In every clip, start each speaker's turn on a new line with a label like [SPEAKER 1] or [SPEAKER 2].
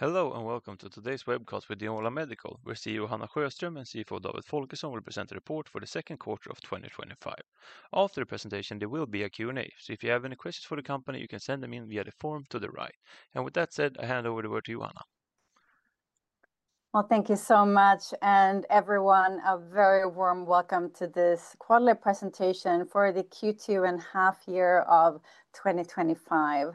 [SPEAKER 1] Hello and welcome to today's webcast with Neola Medical. We're here with Hanna Sjöström, CEO, and David Folkesson, CFO, who will present a report for the second quarter of 2025. After the presentation, there will be a Q&A, so if you have any questions for the company, you can send them in via the form to the right. With that said, I hand over the word to Hanna.
[SPEAKER 2] Thank you so much, and everyone, a very warm welcome to this quarterly presentation for the Q2 and half year of 2025,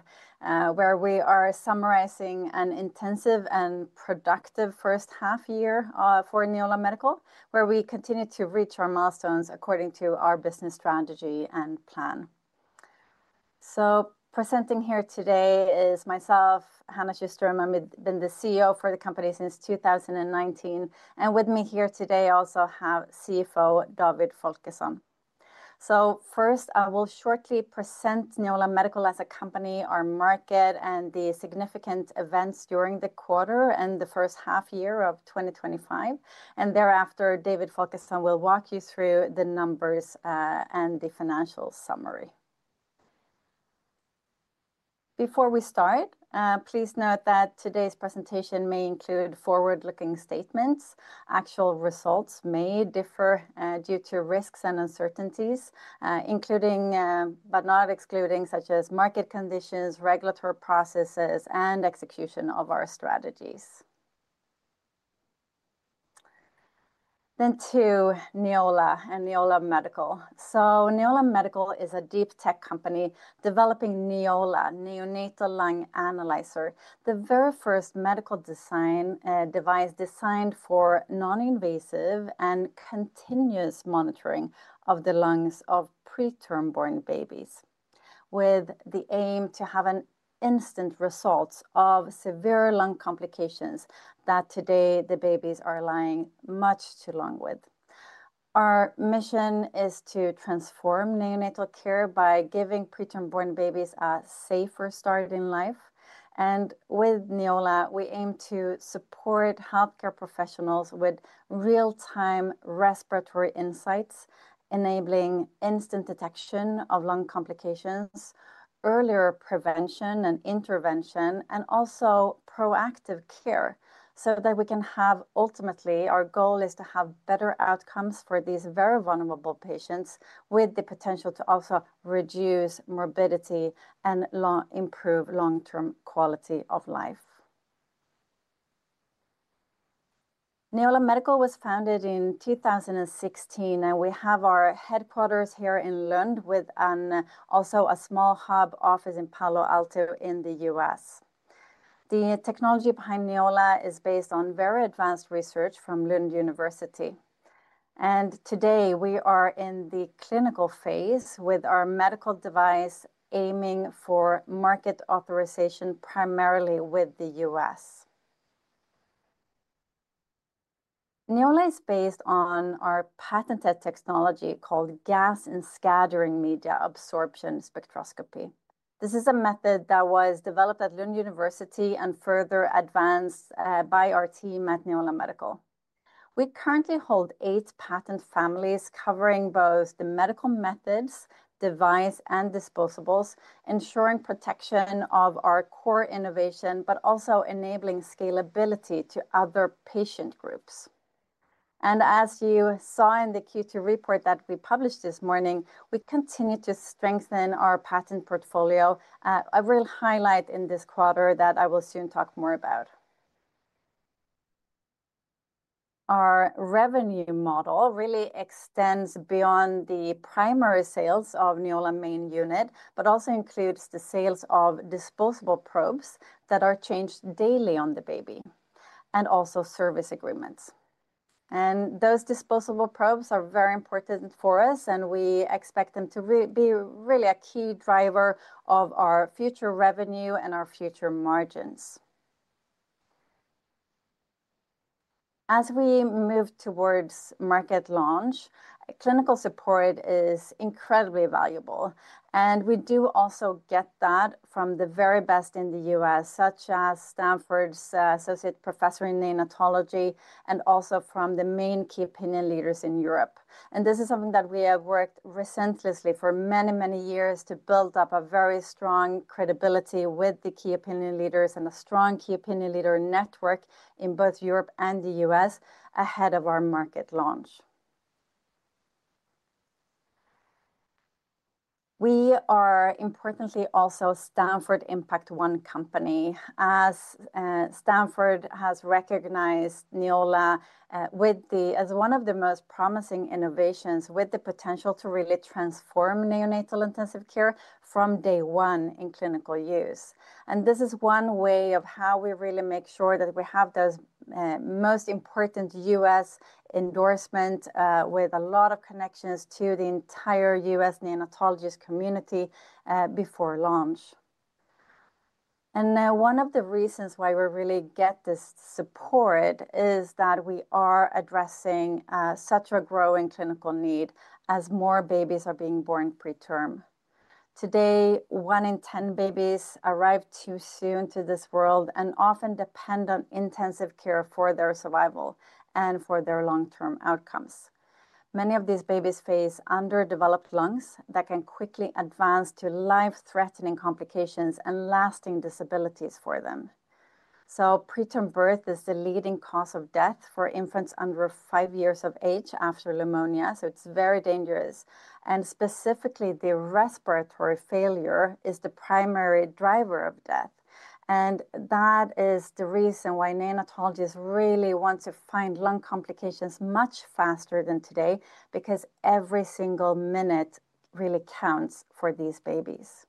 [SPEAKER 2] where we are summarizing an intensive and productive first half year for Neola Medical, where we continue to reach our milestones according to our business strategy and plan. Presenting here today is myself, Hanna Sjöström. I've been the CEO for the company since 2019, and with me here today I also have CFO David Folkesson. First, I will shortly present Neola Medical as a company, our market, and the significant events during the quarter and the first half year of 2025. Thereafter, David Folkesson will walk you through the numbers and the financial summary. Before we start, please note that today's presentation may include forward-looking statements. Actual results may differ due to risks and uncertainties, including, but not excluding, such as market conditions, regulatory processes, and execution of our strategies. To Neola and Neola Medical. Neola Medical is a deep tech company developing Neola, Neonatal Lung Analyzer, the very first medical device designed for non-invasive and continuous monitoring of the lungs of preterm-born babies, with the aim to have instant results of severe lung complications that today the babies are lying much too long with. Our mission is to transform neonatal care by giving preterm-born babies a safer start in life. With Neola, we aim to support healthcare professionals with real-time respiratory insights, enabling instant detection of lung complications, earlier prevention and intervention, and also proactive care so that we can have, ultimately, our goal is to have better outcomes for these very vulnerable patients with the potential to also reduce morbidity and improve long-term quality of life. Neola Medical was founded in 2016, and we have our headquarters here in Lund, with also a small hub office in Palo Alto in the U.S. The technology behind Neola is based on very advanced research from Lund University. Today, we are in the clinical phase with our medical device aiming for market authorization primarily with the U.S. Neola is based on our patented technology called Gas and Scattering Media Absorption Spectroscopy. This is a method that was developed at Lund University and further advanced by our team at Neola Medical. We currently hold eight patent families covering both the medical methods, device, and disposables, ensuring protection of our core innovation, but also enabling scalability to other patient groups. As you saw in the Q2 report that we published this morning, we continue to strengthen our patent portfolio, a real highlight in this quarter that I will soon talk more about. Our revenue model really extends beyond the primary sales of Neola main unit, but also includes the sales of disposable probes that are changed daily on the baby and also service agreements. Those disposable probes are very important for us, and we expect them to be really a key driver of our future revenue and our future margins. As we move towards market launch, clinical support is incredibly valuable, and we do also get that from the very best in the U.S., such as Stanford's Associate Professor in Neonatology and also from the main key opinion leaders in Europe. This is something that we have worked relentlessly for many, many years to build up a very strong credibility with the key opinion leaders and a strong key opinion leader network in both Europe and the U.S. ahead of our market launch. We are importantly also a Stanford Impact1 company, as Stanford has recognized Neola Medical as one of the most promising innovations with the potential to really transform neonatal intensive care from day one in clinical use. This is one way of how we really make sure that we have those most important U.S. endorsements with a lot of connections to the entire U.S. neonatologist community before launch. One of the reasons why we really get this support is that we are addressing such a growing clinical need as more babies are being born preterm. Today, 1/10 babies arrive too soon to this world and often depend on intensive care for their survival and for their long-term outcomes. Many of these babies face underdeveloped lungs that can quickly advance to life-threatening complications and lasting disabilities for them. Preterm birth is the leading cause of death for infants under five years of age after pneumonia, so it's very dangerous. Specifically, the respiratory failure is the primary driver of death. That is the reason why neonatologists really want to find lung complications much faster than today because every single minute really counts for these babies.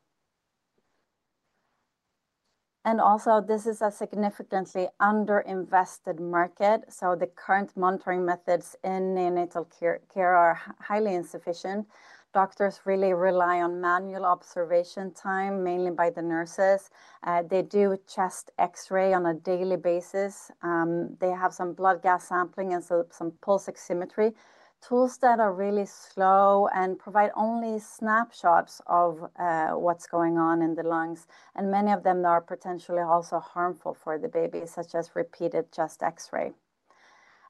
[SPEAKER 2] This is a significantly underinvested market, so the current monitoring methods in neonatal care are highly insufficient. Doctors really rely on manual observation time, mainly by the nurses. They do chest X-ray on a daily basis. They have some blood gas sampling and some pulse oximetry tools that are really slow and provide only snapshots of what's going on in the lungs. Many of them are potentially also harmful for the baby, such as repeated chest X-ray.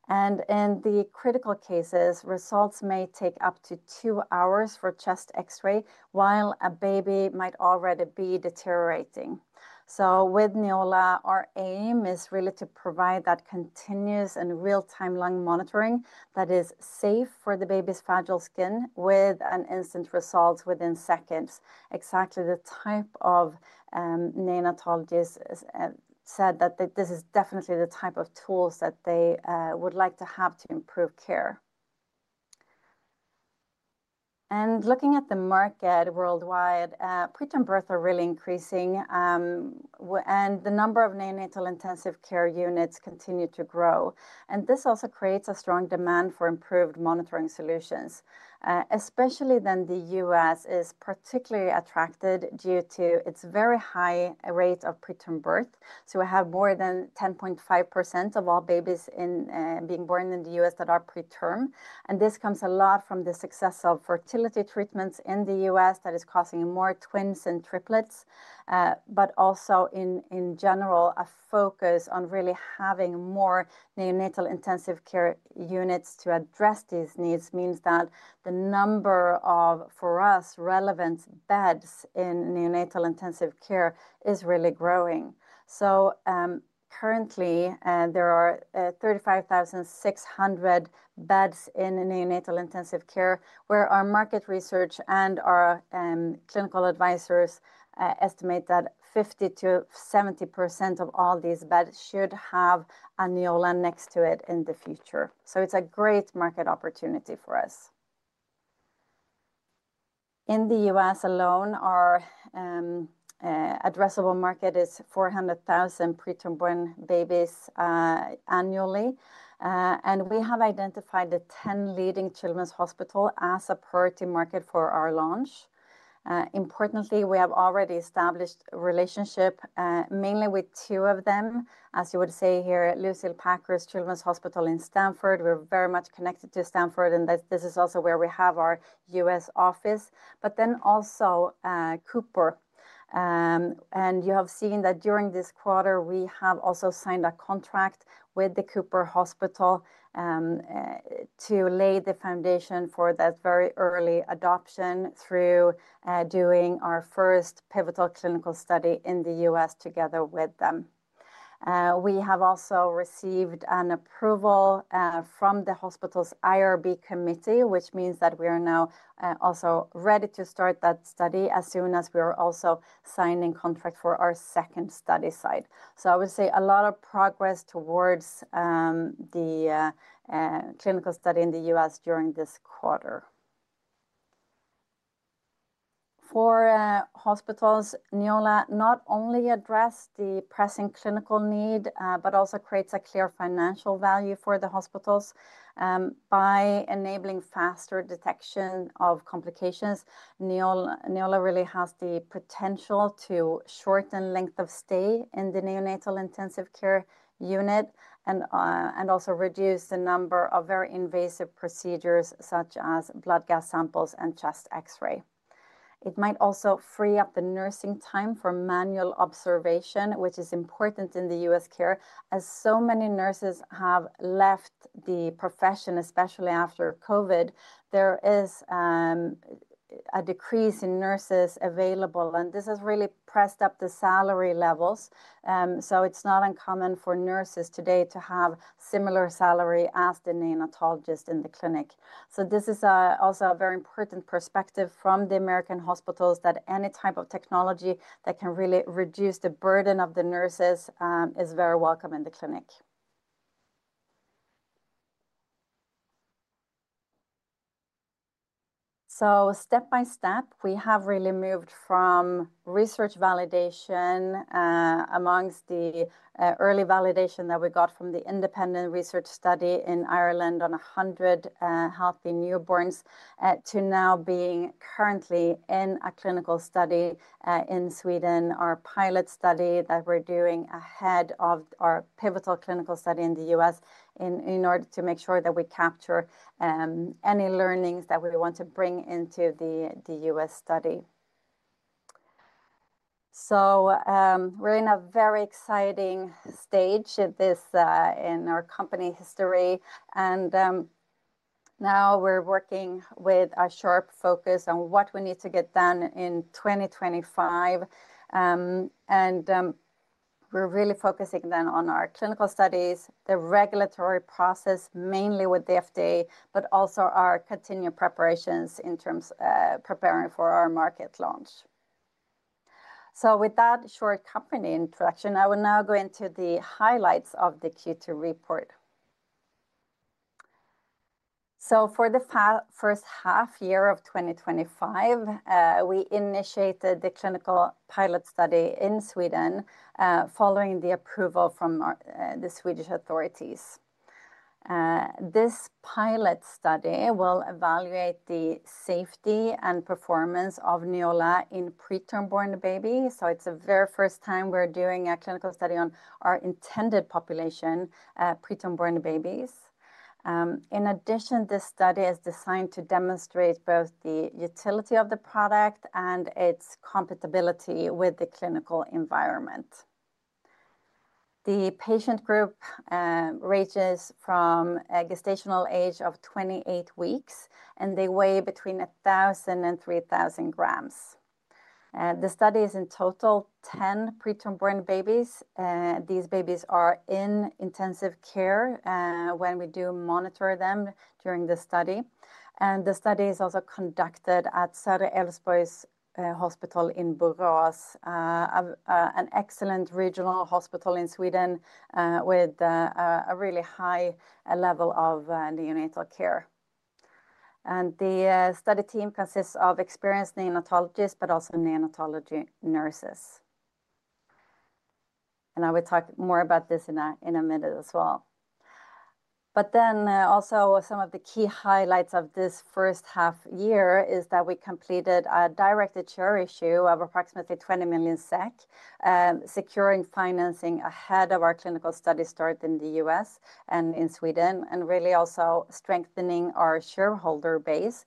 [SPEAKER 2] In the critical cases, results may take up to two hours for chest X-ray while a baby might already be deteriorating. With Neola, our aim is really to provide that continuous and real-time lung monitoring that is safe for the baby's fragile skin with instant results within seconds. Exactly the type of neonatologists said that this is definitely the type of tools that they would like to have to improve care. Looking at the market worldwide, preterm births are really increasing, and the number of neonatal intensive care units continues to grow. This also creates a strong demand for improved monitoring solutions, especially when the U.S. is particularly attractive due to its very high rate of preterm birth. We have more than 10.5% of all babies being born in the U.S. that are preterm. This comes a lot from the success of fertility treatments in the U.S. that is causing more twins and triplets, but also in general, a focus on really having more neonatal intensive care units to address these needs means that the number of, for us, relevant beds in neonatal intensive care is really growing. Currently, there are 35,600 beds in neonatal intensive care, where our market research and our clinical advisors estimate that 50%-70% of all these beds should have a Neola next to it in the future. It's a great market opportunity for us. In the U.S. alone, our addressable market is 400,000 preterm-born babies annually. We have identified the 10 leading children's hospitals as a priority market for our launch. Importantly, we have already established a relationship mainly with two of them, as you would say here, Lucile Packard Children’s Hospital at Stanford. We're very much connected to Stanford, and this is also where we have our U.S. office, but then also Cooper. You have seen that during this quarter, we have also signed a contract with the Children’s Regional Hospital at Cooper to lay the foundation for that very early adoption through doing our first pivotal clinical study in the U.S. together with them. We have also received an approval from the hospital's IRB committee, which means that we are now also ready to start that study as soon as we are also signing a contract for our second study site. I would say a lot of progress towards the clinical study in the U.S. during this quarter. For hospitals, Neola not only addresses the pressing clinical need, but also creates a clear financial value for the hospitals by enabling faster detection of complications. Neola really has the potential to shorten length of stay in the neonatal intensive care unit and also reduce the number of very invasive procedures such as blood gas samples and chest X-ray. It might also free up the nursing time for manual observation, which is important in the U.S. care, as so many nurses have left the profession, especially after COVID. There is a decrease in nurses available, and this has really pressed up the salary levels. It's not uncommon for nurses today to have a similar salary as the neonatologists in the clinic. This is also a very important perspective from the American hospitals that any type of technology that can really reduce the burden of the nurses is very welcome in the clinic. Step by step, we have really moved from research validation amongst the early validation that we got from the independent research study in Ireland on 100 healthy newborns to now being currently in a clinical study in Sweden, our pilot study that we're doing ahead of our pivotal clinical study in the U.S. in order to make sure that we capture any learnings that we want to bring into the U.S. study. We're in a very exciting stage in our company history, and now we're working with a sharp focus on what we need to get done in 2025. We're really focusing then on our clinical studies, the regulatory process mainly with the FDA, but also our continued preparations in terms of preparing for our market launch. With that short company introduction, I will now go into the highlights of the Q2 report. For the first 1/2 year of 2025, we initiated the clinical pilot study in Sweden following the approval from the Swedish authorities. This pilot study will evaluate the safety and performance of Neola in preterm-born babies. It's the very first time we're doing a clinical study on our intended population, preterm-born babies. In addition, this study is designed to demonstrate both the utility of the product and its compatibility with the clinical environment. The patient group ranges from a gestational age of 28 weeks, and they weigh between 1,000 g and 3,000 g. The study is in total 10 preterm-born babies. These babies are in intensive care when we do monitor them during the study. The study is also conducted at Södra Älvsborgs Hospital in Borås, an excellent regional hospital in Sweden with a really high level of neonatal care. The study team consists of experienced neonatologists but also neonatology nurses. I will talk more about this in a minute as well. Some of the key highlights of this first half year are that we completed a direct-to-share issue of approximately 20 million SEK, securing financing ahead of our clinical study start in the U.S. and in Sweden, and really also strengthening our shareholder base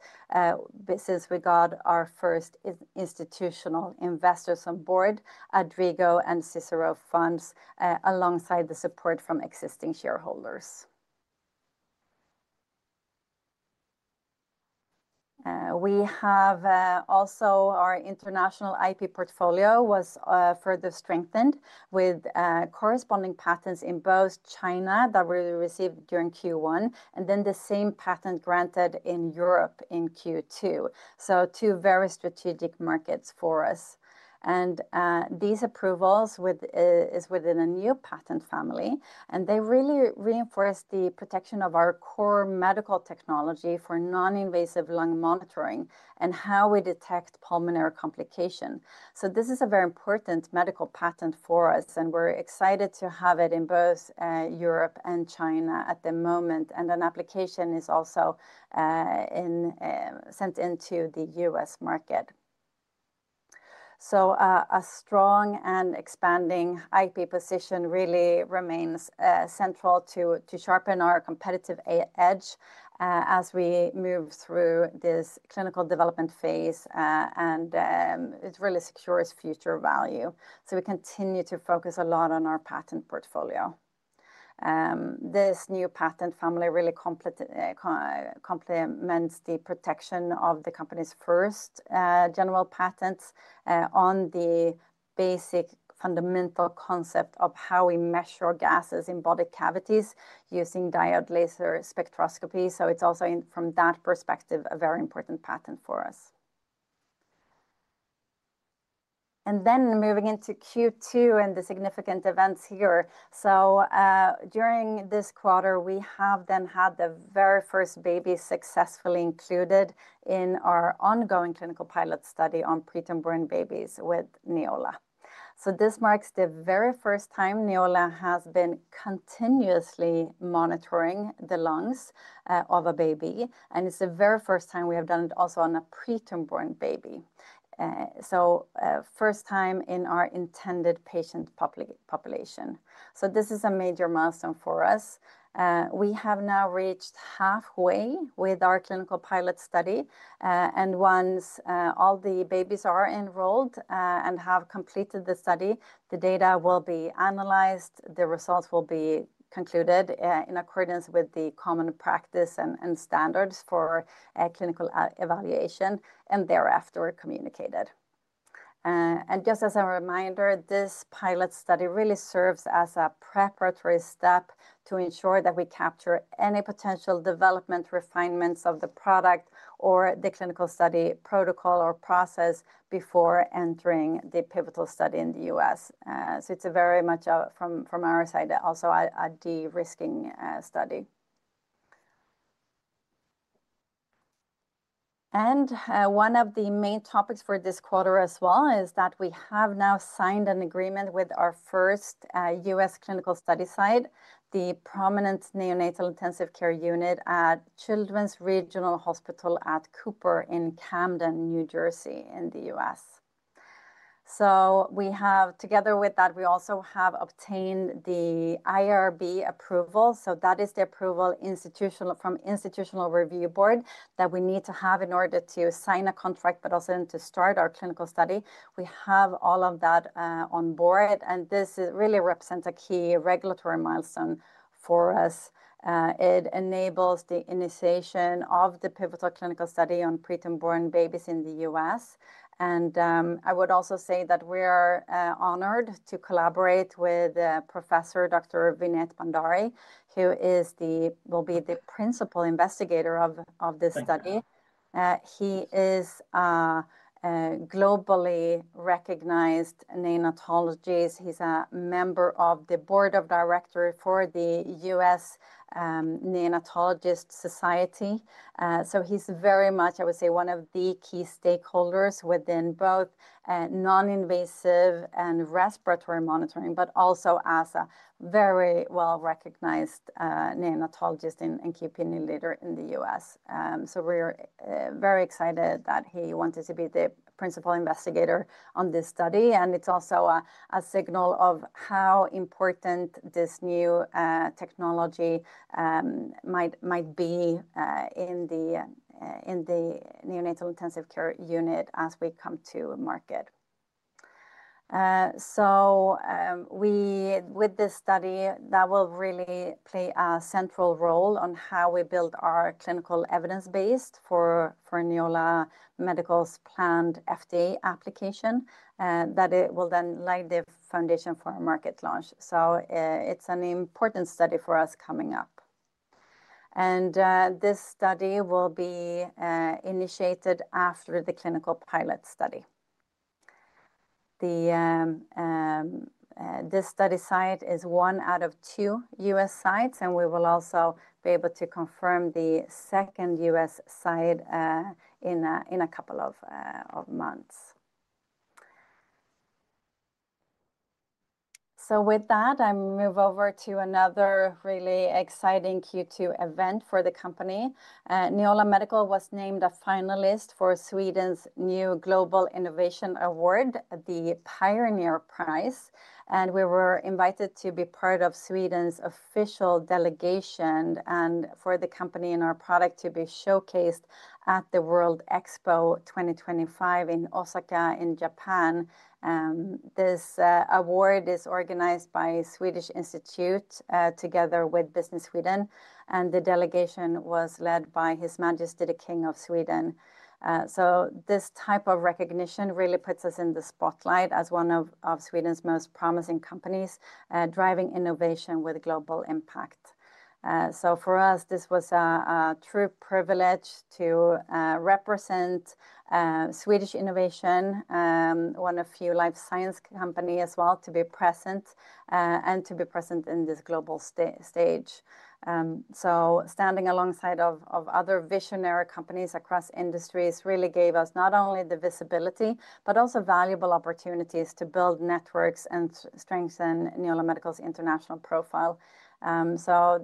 [SPEAKER 2] since we got our first institutional investors on board, Adrigo and Cicero Fonder, alongside the support from existing shareholders. Our international IP portfolio was further strengthened with corresponding patents in both China that were received during Q1, and then the same patent granted in Europe in Q2. These are two very strategic markets for us. These approvals are within a new patent family, and they really reinforce the protection of our core medical technology for non-invasive lung monitoring and how we detect pulmonary complications. This is a very important medical patent for us, and we're excited to have it in both Europe and China at the moment. An application is also sent into the U.S. market. A strong and expanding IP position really remains central to sharpen our competitive edge as we move through this clinical development phase, and it really secures future value. We continue to focus a lot on our patent portfolio. This new patent family really complements the protection of the company's first general patents on the basic fundamental concept of how we measure gases in body cavities using diode laser spectroscopy. From that perspective, it's also a very important patent for us. Moving into Q2 and the significant events here, during this quarter, we have then had the very first baby successfully included in our ongoing clinical pilot study on preterm-born babies with Neola. This marks the very first time Neola Medical has been continuously monitoring the lungs of a baby, and it's the very first time we have done it also on a preterm-born baby. First time in our intended patient population. This is a major milestone for us. We have now reached halfway with our clinical pilot study, and once all the babies are enrolled and have completed the study, the data will be analyzed, the results will be concluded in accordance with the common practice and standards for clinical evaluation, and thereafter communicated. Just as a reminder, this pilot study really serves as a preparatory step to ensure that we capture any potential development refinements of the product or the clinical study protocol or process before entering the pivotal study in the U.S. It is very much from our side also a de-risking study. One of the main topics for this quarter as well is that we have now signed an agreement with our first U.S. clinical study site, the prominent neonatal intensive care unit at Children’s Regional Hospital at Cooper in Camden, New Jersey, in the U.S. Together with that, we also have obtained the IRB approval. That is the approval from the Institutional Review Board that we need to have in order to sign a contract, but also to start our clinical study. We have all of that on board, and this really represents a key regulatory milestone for us. It enables the initiation of the pivotal clinical study on preterm-born babies in the U.S. We are honored to collaborate with Professor Dr. Vinay Nadkarni, who will be the principal investigator of this study. He is a globally recognized neonatologist. He is a member of the Board of Directors for the U.S. Neonatologists Society. He is very much, I would say, one of the key stakeholders within both non-invasive and respiratory monitoring, but also as a very well-recognized neonatologist and key opinion leader in the U.S. We are very excited that he wanted to be the principal investigator on this study, and it's also a signal of how important this new technology might be in the neonatal intensive care unit as we come to market. This study will really play a central role in how we build our clinical evidence base for Neola Medical's planned FDA application, and it will then lay the foundation for our market launch. It is an important study for us coming up. This study will be initiated after the clinical pilot study. This study site is 1/2 of U.S. sites, and we will also be able to confirm the second U.S. site in a couple of months. With that, I move over to another really exciting Q2 event for the company. Neola Medical was named a finalist for Sweden's new Global Innovation Award, the Pioneer Prize, and we were invited to be part of Sweden's official delegation for the company and our product to be showcased at the World Expo 2025 in Osaka in Japan. This award is organized by the Swedish Institute together with Business Sweden, and the delegation was led by His Majesty the King of Sweden. This type of recognition really puts us in the spotlight as one of Sweden's most promising companies driving innovation with global impact. For us, this was a true privilege to represent Swedish innovation, one of a few life science companies as well, to be present and to be present in this global stage. Standing alongside other visionary companies across industries really gave us not only the visibility but also valuable opportunities to build networks and strengthen Neola Medical's international profile.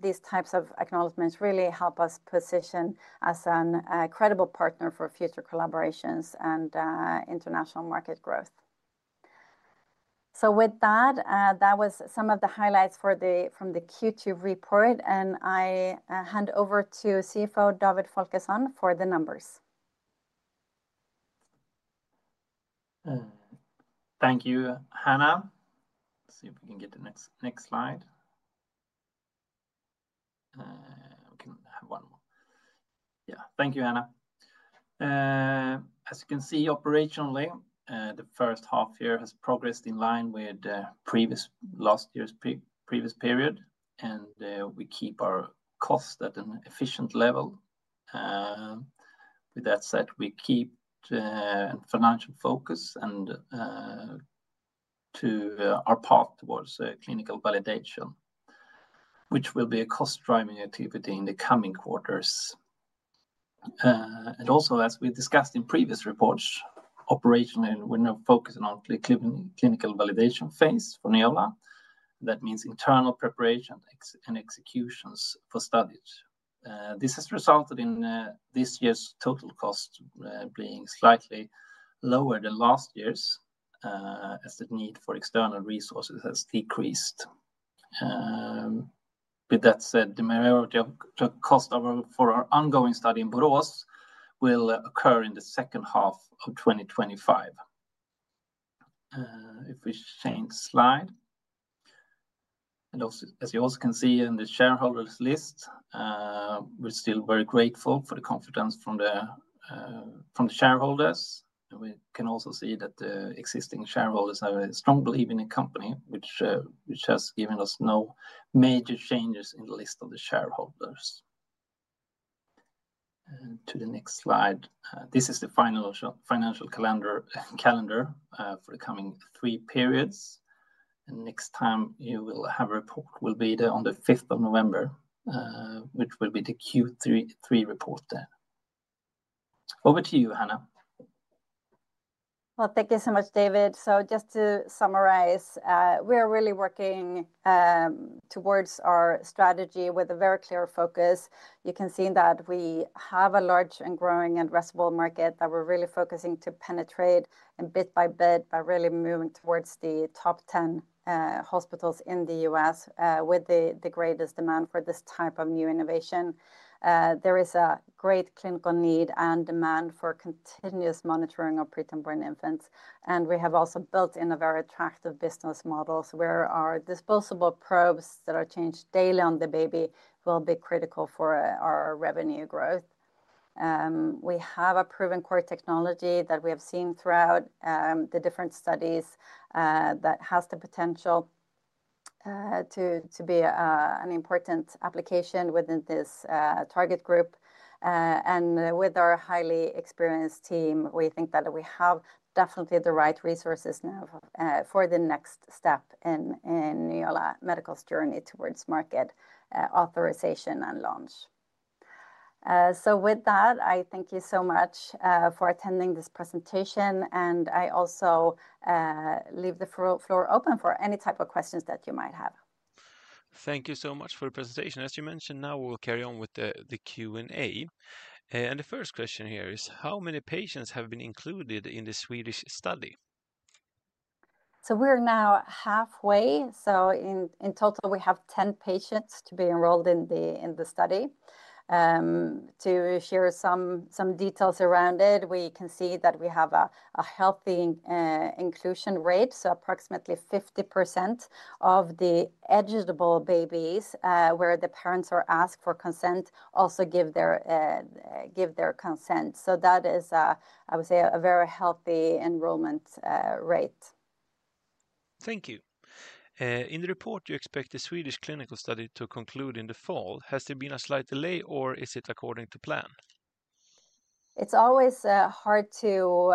[SPEAKER 2] These types of acknowledgments really help us position as an incredible partner for future collaborations and international market growth. That was some of the highlights from the Q2 report, and I hand over to CFO David Folkesson for the numbers.
[SPEAKER 3] Thank you, Hanna. Let's see if we can get the next slide. Okay, I have one more. Yeah, thank you, Hanna. As you can see, operationally, the first half year has progressed in line with last year's previous period, and we keep our costs at an efficient level. With that said, we keep a financial focus and our path towards clinical validation, which will be a cost-driving activity in the coming quarters. Also, as we discussed in previous reports, operationally, we're now focusing on the clinical validation phase for Neola. That means internal preparation and executions for studies. This has resulted in this year's total cost being slightly lower than last year's, as the need for external resources has decreased. With that said, the majority of the cost for our ongoing study in Borås will occur in the second half of 2025. If we change slide, and as you also can see in the shareholders' list, we're still very grateful for the confidence from the shareholders. We can also see that the existing shareholders are very strongly believing in the company, which has given us no major changes in the list of the shareholders. To the next slide, this is the financial calendar for the coming three periods. Next time you will have a report will be on the 5th of November, which will be the Q3 report then. Over to you, Hanna.
[SPEAKER 2] Thank you so much, David. Just to summarize, we are really working towards our strategy with a very clear focus. You can see that we have a large and growing addressable market that we're really focusing to penetrate bit by bit by really moving towards the top 10 hospitals in the U.S. with the greatest demand for this type of new innovation. There is a great clinical need and demand for continuous monitoring of preterm-born infants, and we have also built in a very attractive business model. Our disposable probes that are changed daily on the baby will be critical for our revenue growth. We have a proven core technology that we have seen throughout the different studies that has the potential to be an important application within this target group. With our highly experienced team, we think that we have definitely the right resources now for the next step in Neola Medical's journey towards market authorization and launch. I thank you so much for attending this presentation, and I also leave the floor open for any type of questions that you might have.
[SPEAKER 1] Thank you so much for the presentation. As you mentioned, now we'll carry on with the Q&A. The first question here is, how many patients have been included in the Swedish study?
[SPEAKER 2] We're now halfway. In total, we have 10 patients to be enrolled in the study. To share some details around it, we can see that we have a healthy inclusion rate. Approximately 50% of the eligible babies, where the parents are asked for consent, also give their consent. That is, I would say, a very healthy enrollment rate.
[SPEAKER 1] Thank you. In the report, you expect the Swedish clinical study to conclude in the fall. Has there been a slight delay, or is it according to plan?
[SPEAKER 2] It's always hard to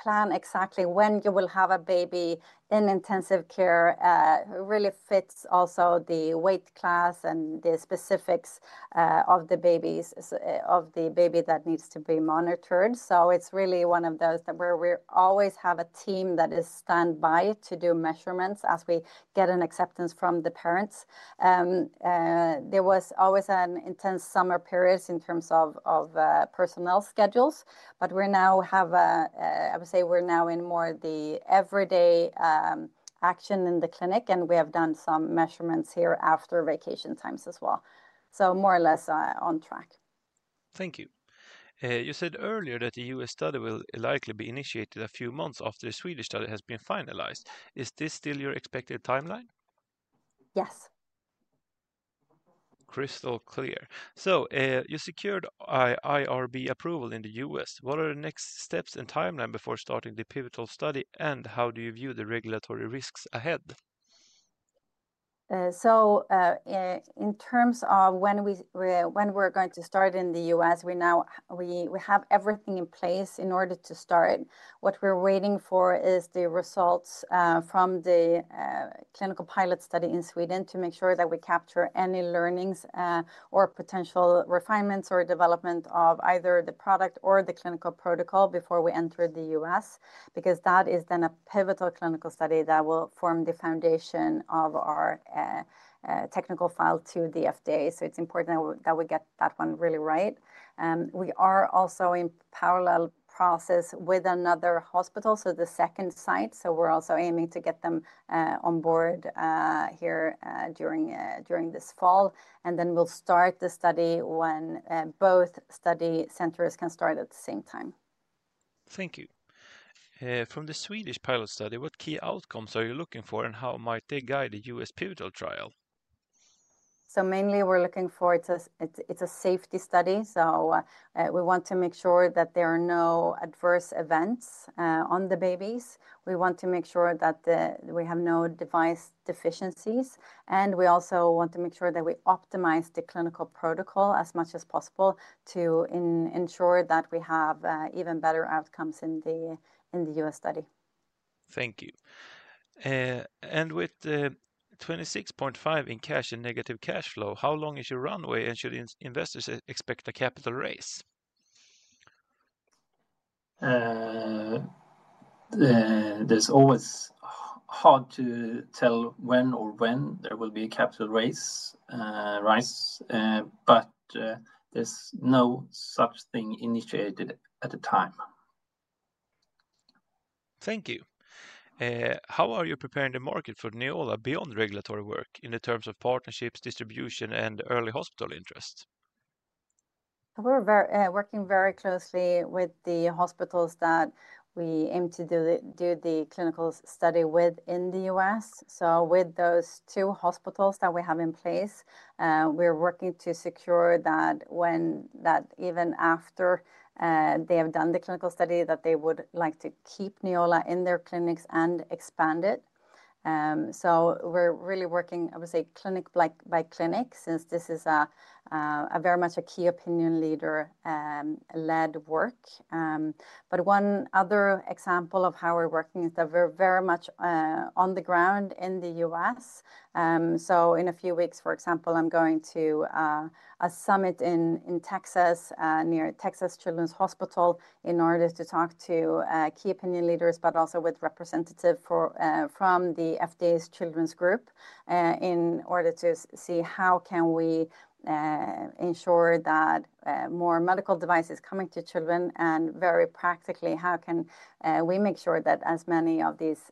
[SPEAKER 2] plan exactly when you will have a baby in intensive care. It really fits also the weight class and the specifics of the baby that needs to be monitored. It's really one of those that we always have a team that is standby to do measurements as we get an acceptance from the parents. There was always an intense summer period in terms of personnel schedules, but we now have, I would say, we're now in more of the everyday action in the clinic, and we have done some measurements here after vacation times as well. More or less on track.
[SPEAKER 1] Thank you. You said earlier that the U.S. study will likely be initiated a few months after the Swedish study has been finalized. Is this still your expected timeline?
[SPEAKER 2] Yes.
[SPEAKER 1] Crystal clear. You secured IRB approval in the U.S. What are the next steps and timeline before starting the pivotal study, and how do you view the regulatory risks ahead?
[SPEAKER 2] In terms of when we're going to start in the US, we have everything in place in order to start. What we're waiting for is the results from the clinical pilot study in Sweden to make sure that we capture any learnings or potential refinements or development of either the product or the clinical protocol before we enter the US, because that is then a pivotal clinical study that will form the foundation of our technical file to the FDA. It's important that we get that one really right. We are also in a parallel process with another hospital, the second site, so we're also aiming to get them on board here during this fall, and then we'll start the study when both study centers can start at the same time.
[SPEAKER 1] Thank you. From the Swedish pilot study, what key outcomes are you looking for, and how might they guide the U.S. pivotal trial?
[SPEAKER 2] Mainly we're looking for a safety study, so we want to make sure that there are no adverse events on the babies. We want to make sure that we have no device deficiencies, and we also want to make sure that we optimize the clinical protocol as much as possible to ensure that we have even better outcomes in the U.S. study.
[SPEAKER 1] Thank you. With 26.5% in cash and negative cash flow, how long is your runway, and should investors expect a capital raise?
[SPEAKER 3] It's always hard to tell when or if there will be a capital raise, but there's no such thing initiated at this time.
[SPEAKER 1] Thank you. How are you preparing the market for Neola beyond regulatory work in terms of partnerships, distribution, and early hospital interest?
[SPEAKER 2] We're working very closely with the hospitals that we aim to do the clinical study with in the U.S. With those two hospitals that we have in place, we're working to secure that even after they have done the clinical study, they would like to keep Neola in their clinics and expand it. We're really working, I would say, clinic by clinic since this is very much a key opinion leader-led work. One other example of how we're working is that we're very much on the ground in the U.S. In a few weeks, for example, I'm going to a summit in Texas near Texas Children's Hospital in order to talk to key opinion leaders, but also with representatives from the FDA's children's group in order to see how we can ensure that more medical devices are coming to children, and very practically, how we can make sure that as many of these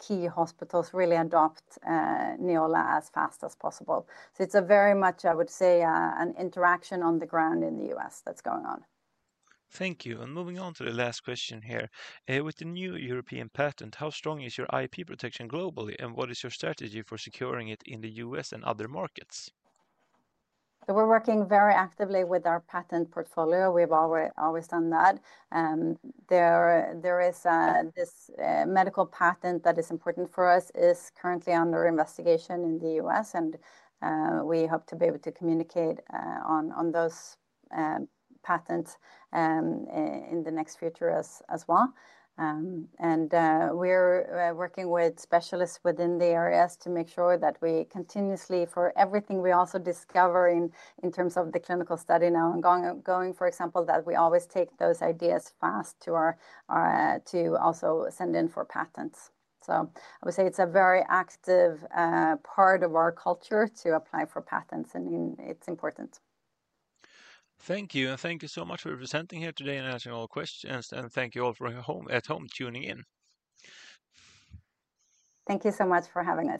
[SPEAKER 2] key hospitals really adopt Neola as fast as possible. It's very much, I would say, an interaction on the ground in the U.S. that's going on.
[SPEAKER 1] Thank you. Moving on to the last question here. With the new European patent, how strong is your IP protection globally, and what is your strategy for securing it in the U.S. and other markets?
[SPEAKER 2] We're working very actively with our patent portfolio. We've always done that. There is this medical patent that is important for us, is currently under investigation in the U.S., and we hope to be able to communicate on those patents in the next future as well. We're working with specialists within the areas to make sure that we continuously, for everything we also discover in terms of the clinical study now ongoing, for example, that we always take those ideas fast to also send in for patents. I would say it's a very active part of our culture to apply for patents, and it's important.
[SPEAKER 1] Thank you, and thank you so much for presenting here today and answering all questions. Thank you all for at home tuning in.
[SPEAKER 2] Thank you so much for having us.